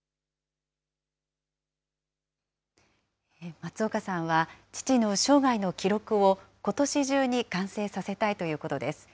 松岡さんは、父の生涯の記録を、ことし中に完成させたいということです。